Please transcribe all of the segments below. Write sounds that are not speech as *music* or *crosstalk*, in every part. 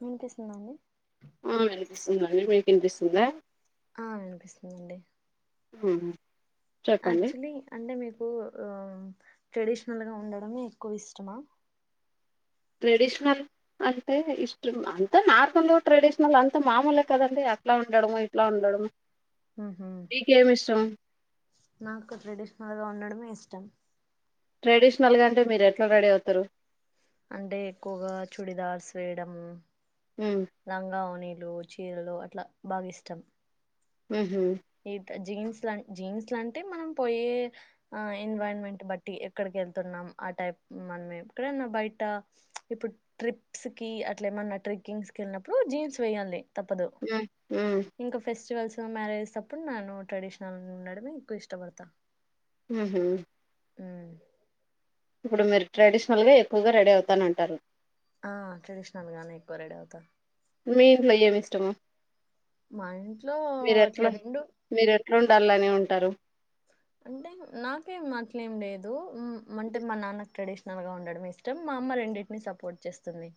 వినిపిస్తుందండి య్ వెనిపిస్తుందండి మీకు వినిపిస్తుందా ఆ అనిపిస్తుందండి హు యాక్చులీ అంటే మీకు ట్రెడిషనల్గా ఉండడం ఎక్కువ ఇష్టమా ట్రెడిషనల్ అంటే ఇష్టం అంత నార్మల్ ట్రెడిషనల్ అంత మామూలే కదండి అట్ల ఉండడము ఇట్ల ఉండడం ఊహమ్ నాకు ట్రెడిషనల్గా ఉండడ ఇష్టం ట్రెడిషనల్గా అంటే మీరెట్లా రెడీ అవుతారు అంటె ఎక్కువగా చుడిదార్స్ వేయడము లంగా ఒనీ లు చీరలు అట్ల బాగ ఇష్టం ఉహ్ హు ఈ జీన్స్ లా జీన్స్ లంటే మనం పోయే ఆ ఎన్వరాన్మెంట్ బట్టి ఎక్కడికి వెళ్తున్నాం ఆ టైప్ మనమే ఎక్కడన్న బయట ఇప్పుడు ట్రిప్స్ కి అట్ల ఎమన్న ట్రెక్కింగ్స్ క వెళ్ళినప్పుడు జీన్స్ వేయాలి తప్పదు ఉ ఇంక ఫెస్టివల్స్ స్తం మ్యారేజ్ స అప్పుడు నాను ట్రెడిషనల్ ఉండడమే ఎక్కువ ఇష్టపడతాను ఊహు ఉ ఇప్పుడు మీరు ట్రెడిషనల్ గా ఎక్కువగా రెడీ అవుతానంటారు ఆ ట్రెడిషనల్ గానే ఎక్కువ రెడీ అవుతా మీ ఇంట్లో ఏమి ఇష్టము మా ఇంట్లో అట్లా మీరెట్లా రెండు మీరెట్లా ఉండాలని ఉం టారు అంటే నాకేం అట్లేం లేదు ఉ అంటే మా నాన్న ట్రెడిషనల్ గా ఉండడం ఇష్టం మా అమ్మ రెండింటిని సపోర్ట్ చేస్తుంది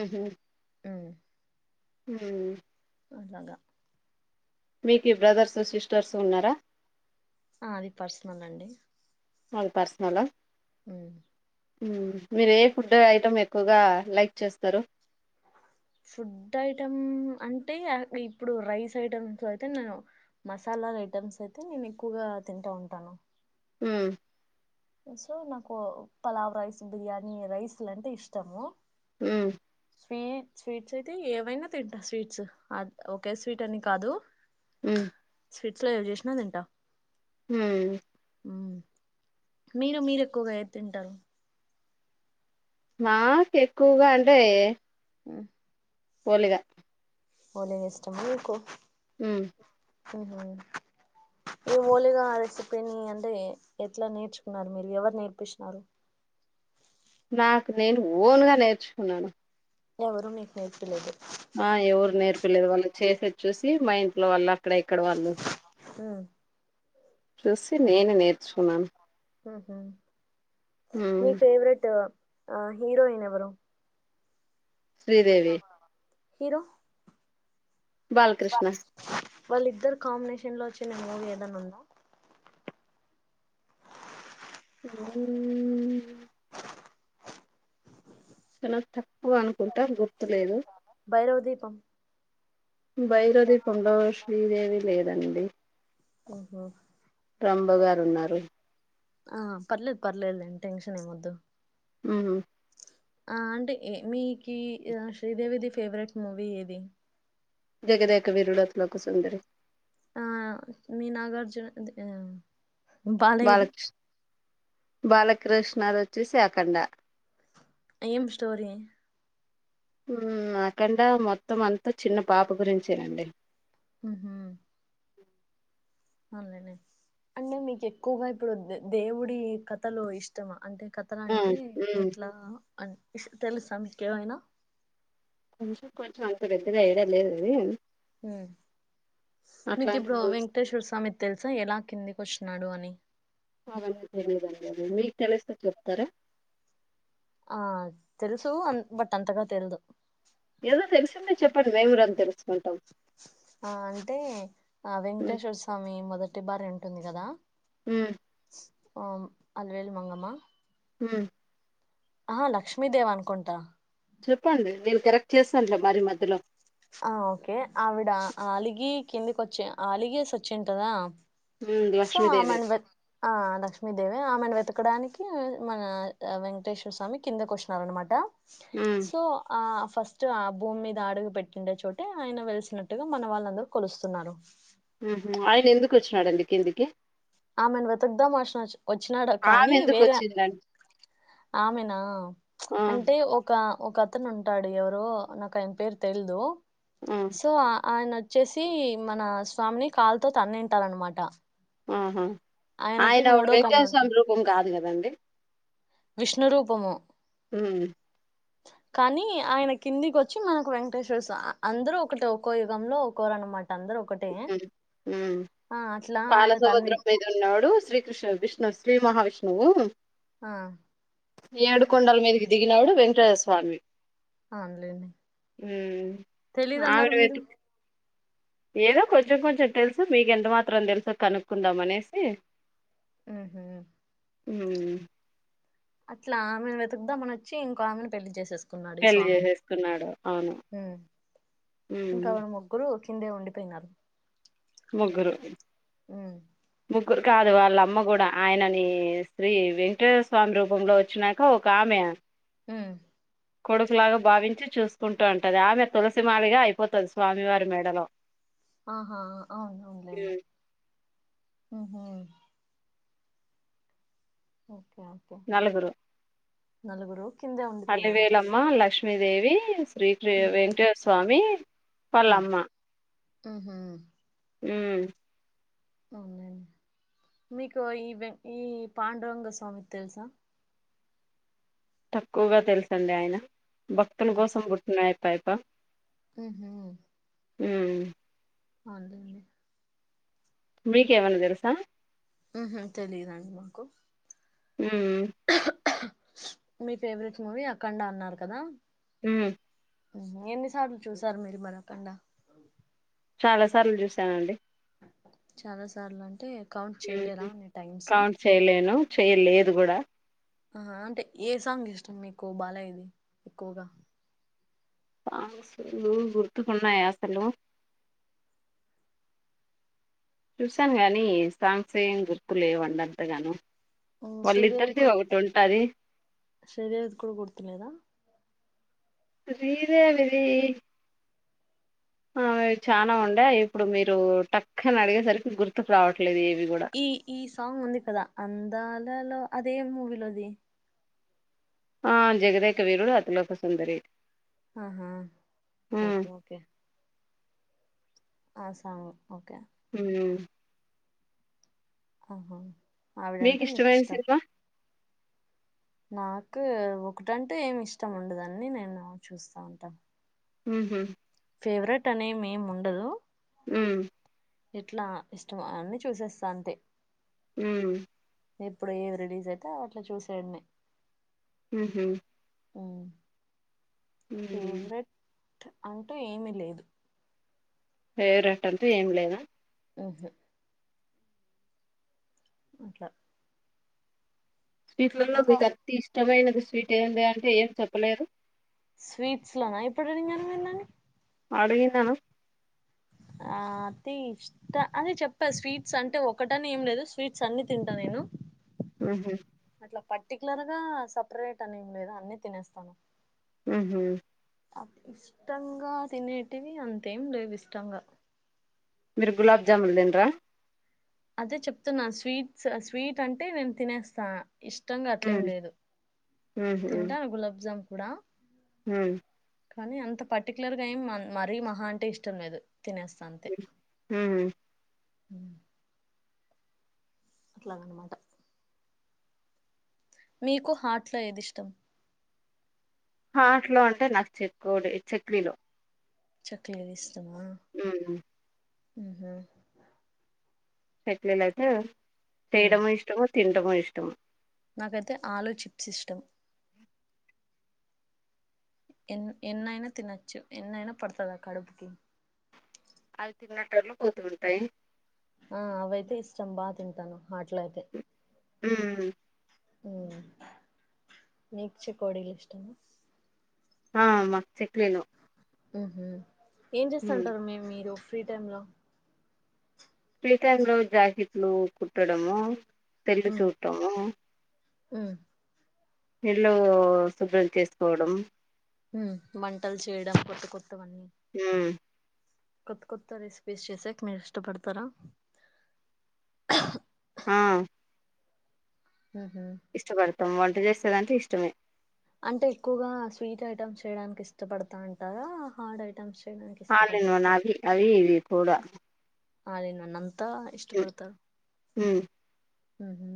ఉహు మ్మ్ ఉ అలాగా మీకు బ్రదర్సు సిస్టర్స్ ఉన్నారా ఆ అది పర్సనల్ అండి అది పర్సనల ఉ ఉ మీరు ఏ ఫుడ్ ఐటెమ్ ఎక్కువగా లైక్ చేస్తారు ఫుడ్ ఐటెమ్ అంటే ఇప్పుడు రైస్ ఐటమ్స్ లో అయితే నేను మసాలా ఐటెమ్స్ అయితే నేను ఎక్కువగా తింటా ఉంటాను ఉ సో నాకు పలావ్ రైస్ బిర్యానీ రైస్ అంటే ఇష్టము ఉహు స్వీట్ స్వీట్స్ అయితే ఏవైనా తింటా స్వీట్స్ అ ఒకే స్వీట్ అని కాదు స్వీట్లో ఏం చేస్ అన్ని తింటా ఉ మ్మ్. మీరు మీరు ఎక్కువగా ఏం తింటారు మాకు ఎక్కువగా అంటే ఆ వోలిగా ఓలిగా ఇష్టమా మీకు ఉ ఓహో ఓలిగా రెసిపీని అంటే ఎట్లా నేర్చుకున్నారు మీరు ఎవరు నేర్పించినారు నాకు నేను ఓన్గా నేర్చుకున్నాను ఎవరు మీకు నేర్పిలేదు ఆ ఎవరు నేర్పలేదు వాళ్ళు చేసే చూసి మా ఇంట్లో వాళ్ళు అక్కడ ఇక్కడ వాళ్ళు ఉ చూసి నేనే నేర్చుకున్నాను ఉహు మీ మ్మ్ ఫేవరెట్ ఆ హీరోయిన్ ఎవరు శ్రీదేవి హీరో బాలకృష్ణ వాళ్ళిద్దరు కాంబినేషన్ లో వచ్చిన మూవీ ఏదైనా ఉందా ఊ చాలా తక్కువ అనుకుంటారు గుర్తులేదు భైరవ దీపం బైరది పొండవ శ్రీదేవి లేదు దండి ఓహో రంబ గారు ఉన్నారు ఆ పర్లేదు పర్లేద నేం టెన్షన్ ఏమొద్దు అ ఆ అంటే మీకి శ్రీదేవిది ఫేవరెట్ మూవీ ఏది జగదక విరుళత్ లో ఒక సుందర్ ఆ మీ నాగార్జున ఆ బాలయిది బాలకృష్ణర్ వచ్చి సకండా ఏం స్టోరీ అకండా మొత్తం అంతా చిన్న పాప గురించేనండి హ అనే అంటే మీకు ఎక్కువగా ఇప్పుడు దేవుడి కథలు ఇష్టమా అంటే కథల మ్మ్ అంటే మ్మ్ ఎట్లా అ ఇ తెలు సకయినా కొంచ కొంచం అంత పెద్దగా ఏడా లేద్ ఇది మీకు అట్లాంటి ఇప్పుడు మూవీస్ వెంకటేశ్వర స్వామి తెల్సా ఎలా కిందికి వోచ్చినాడో అని అవన్నీ తెలియదండి మీకు తెలిస్తే చెప్తారా ఆ తెలుసు అ బట్ అంతగా తెల్ దు ఏదో తెలిసింటే చెప్పండి మేము రో న్ తెర్ స్ ఆ అంటే ఆ మ్మ్ వెంకటేశ్వర స్వామి మొదట్ టి బారే ఉంటుంది కదా హ్మ్ ఆమ్ అల్వేలు మాంగమ్మా హ్మ్ ఆ లక్ష్మీదేవ్ అనుకుంటా చెప్పండి నేను కరెక్ట్ చేస్తాను లే మరి మధ్యలో ఆ ఓకే ఆవిడ ఆలిగి కిందికి వచ్చి ఆలిగేసి వచ్చింటదా మ్మ్ సో లక్ష్మీదేవి ఆమెన్ వె ఆ లక్ష్మీ దేవి మే ఆమెను వెతకడానికి మన వెంకటేశ్వర స్వామి కిందకి వచ్చినార్ అనమాట మ్మ్ సో ఆ ఫస్ట్ ఆ భూమి మీద అడుగు పెట్ పెట్టిండే చోటే ఆయన వెలిసినట్టుగా మన వాళ్ళందరు కొలుస్తున్నారు హ్ హు ఆయన ఎందుకు వచ్చినాడండి కిందికి ఆమెను వెతుకుదా మషిన వచ్చినాడు ఆమె కానీ ఎందుకు వేరే వచ్చిందండి ఆమెనా ఆ అంటే ఒక ఒక అతను ఉంటాడు ఎవరో నాకు ఆయన పేరు తెలిదు ఆ సో ఆ ఆయన వచ్చేసి మన స్వామిని కాలుతో తన్నింటాడన్నమాట ఆహా ఆయన ఒక వెంకటేశర స్వామి రూపం కాదు కదా దండి విష్ణురూపము హ్మ్ కానీ ఆయన కిందికి వచ్చి మనకు వెంకటేశ్వర స్వామి. అందరూ ఒకటి ఒకో యుగంలో ఒకరు అనమాట మ్ ఆ అట్లా ఆయన తన్ని పాలసముద్రం మీద ఉన్నోడు శ్రీకృష్ణ విష్ణు శ్రీ మహావిష్ణువు ఆ ఏడుకొండల మీదకి దిగినాడు వెంకటేశ్వర స్వామి ఆన్లేని ఉ తెలీదన్నారు మీరు ఏదో కొంచెం కొంచెం తెలుసు మీకు ఎంత మాత్రం తెలుసో కనుక్కుందాం అనేసి మ్ హు ఉ అట్లా ఆమెను వెతుకుదామని వచ్చి ఇంకో ఆమెను పెళ్లి చేసేసుకో పెళ్లి చేసేసుకున్నాడు అవును మ్మ్ ఇంకా ఆవిడ ముగ్గురు కిందే ఉండిపోయినారు ముగ్గురు ఉమ్ ము కాదు వాళ్ళమ్మ కూడా ఆయనని శ్రీ వెంకటేశ్వర స్వామి రూపంలో వచ్చానాక ఒక ఆమె మ్ కొడుకులాగా భావించి చూసుకుంటా ఉంటది. ఆమె తులసి మాలగా అయిపోతది స్వామివారి మెడలో. ఆహా అవును అవునులేండి ఉమ్, మ్ హూ మ్ ఓకే ఓకే నలుగురు నలుగురు కిందే ఉండిపోయినారు అలివేలమ్మ లక్ష్మ క్ష్మీదేవీ శ్రీకృ ఉమ్ వెంకటేశ్వర స్వామి వాలమ్మా మ్ హూ మ్ అవునండి మీకు ఈ ఈ పాండురంగ స్వామి తెలుసా తక్కువగా తెలుసండి ఆయన భక్తుల కోసం పుట్టినయి పప్పయప్ప మ్ హు ఉ అవు *unintelligible* మీకు ఎవనా తెలుసా మ్ హు తెలిదండి మాకు మ్ మీ ఫేవరెట్ మూవీ అక్కండా అన్నారు కదా ఉ ఎన్నిసార్లు చూసారు మీరు మరకండా చాలా సార్లు చూసానండి చాలా సార్లు అంటే కౌంట్ చేయలేరా అన్ని టైమ్స్ కౌంట్ చేయలేను చెయలేదు కూడా ఆ అంటే ఏ సాంగ్ ఇష్టం మీకు బాలయది ఎక్కువగా చూసాను గానీ సాంగ్స్ ఏం గుర్తు లేవండి అంతగాను యూ శ్రీదేవి వాళ్ళిద్దరిది కూడా ఒకటి ఉంటది శ్రీదేవిది కూడా గుర్తు లేదా శ్రీదేవిది ఆవి చాలా ఉండే ఇప్పుడు మీరు టక్కని అడిగేసరికి గుర్తుకు రావ ఈ ఈ సాంగ్ ఉంది కదా అందాలలో అదే మూవీలో ది ఆ జగదేకవీరుడు అతి లోక సుందరి ఆహా హ్మ్ ఓకే ఓకే ఆ సాంగ్ ఓకే మ్ ఆహా మీకు ఆవిడంటే ఇష్టమైన ఇష్టం సినిమా నాకు ఒకటంటే ఏమి ఇష్టం ఉండదు అన్ని నేను చూస్తా ఉంటాను హహు ఫేవరెట్ అని ఏమి ఉండదు మ్ ఎట్లా ఇష్టం అన్నీ చూసేస్తా అంతే మ్ ఇప్పుడు ఏవి రిలీజ్ అయితే అట్లా చూసి వెయ్యడమే ఉహు మ్ ఉ అంటూ ఏమి లేదు ఫేవరెట్ అంటే ఏమి లేద ఉహూ అట్లా స్వీట్ లలో ఇంకా మీకు అతి ఇష్టమైన గి స్వీట్ ఏందే అంటే ఏం చెప్పలేదు స్వీట్స్ లోనా ఎప్పుడు అడిగినారు మీరు నన్ను అడిగినాను ఆ అతి ఇష్ట అదే చెప్పా స్వీట్స్ అంటే ఒకటని ఏం లేదు స్వీట్స్ అన్ని తింటా నేను ఉహు ఇట్లా పర్టికులర్ గా సపరేట్ అని ఏం లేదు అన్ని తినేస్తాను ఉహు ఇష్టంగా తినేటివి అంతేం లేవు ఇష్టంగా మీరు గులాబ్జాములు తిండ్రా అదే చెప్తున్నా స్వీట్స్ స్వీట్ అంటే నేను తినేస్తా ఇష్టంగా అట్లేం హ్మ్ లేదు తింటాను గులాబ్జామ్ కూడా హ కానీ అంత పర్టికులర్ గా ఏం మరీ మహా అంటే ఇష్టం లేదు తినేస్తా అంతే హ్మ్ ఉ అట్లాగన్మటా మీకు హాట్ లో ఏదిష్టం హాట్లో అంటే నాకు చెకోడి చెక్లీలో చక్లిలు ఇష్టమా ఉహు ఉహు చెక్లిలైతే ఉమ్ తేయడము ఇష్టము తిన్టము ఇష్టం నాకైతే ఆలో చిప్స్ ఇష్టం ఎన్ ఎన్నైనా తినచ్చు ఎన్నైనా పడుతదా కడుపుకి అవి తిన్నట్టర్లు పోతూ ఉంటాయి ఆ అవైతే ఇష్టం బా తింటాను మాట్లయితే ఉ నీకు చేకొడీలు ఇష్టం ఆ మాకు చెక్లీలు ఉహు ఏం చేస్తంటారు మి మీరు ఫ్రీ టైమ్ లో ఫ్రీటైమ్లో జాకిట్లు కుట్టడము సెల్లు చూటం ఉ ఇళ్లు శుభ్రం చేసుకోవడం వంటలు చేయడం కొత్త కొత్తవన్నీ ఉమ్ కొత్త కొత్త రెసిపీస్ చేసెకి మీరు ఇష్టపడతారా ఆ ఉహు ఇష్ట పడుతం వంట జెస్త్ అదీంటే ఇష్టమే అంటే ఎక్కువగా స్వీట్ ఐటెమ్స్ చేయడానికి ఇష్టపడతా అంటారా హార్డ్ ఐటమ్స్ చ్ ఆన్లైన్ ఓనా అవి ఇది పోడ అదేనా నన్ అంతా ఇష్టపడతరు ఉమ్ ఉ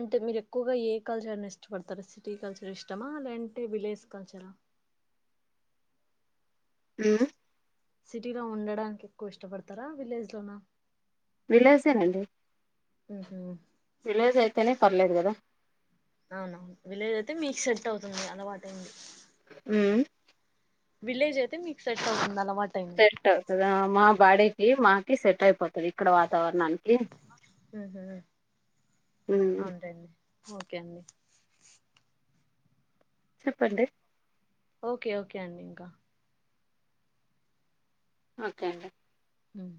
అంటే మీరు ఎక్కువగా ఏ కల్చర్ అని ఇష్టపడతారు సిటీ కల్చర్ ఇష్టమా లేంటే విలేజ్ కల్చరా ఉమ్ సిటీలో ఉండడానికి ఎక్కువ ఇష్టపడతారా విలేజ్ లోనా విలాసేనండి ఉహుం విలేజ్ అయితేనే పర్లేదు కదా అవున విలేజ్ అయితే మీకు సెట్ అవుతుంది అలవాటు ఏంది హ్మ్ విలేజ్ అయితే మీకు సెట్ అవుతుంది. అలవాటైంది సెట్ అవుతుదా మా బాడే ఈ మాకి సెట్ అయిపోతది ఇక్కడ వాతావరణానికి ఉహు అవునులేండి ఓకే అండి చెప్పండి ఓకే ఓకే అండి ఇంకా ఓకే అండి హ్మ్